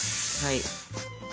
はい。